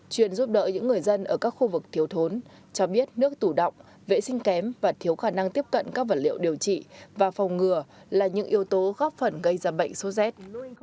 chuyên giúp đỡ những người dân ở các khu vực thiếu thốn cho biết nước tủ động vệ sinh kém và thiếu khả năng tiếp cận các vật liệu điều trị và phòng ngừa là những yếu tố góp phần gây ra bệnh sốt rét